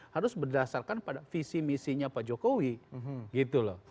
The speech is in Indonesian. harus berdasarkan pada visi misinya pak jokowi gitu loh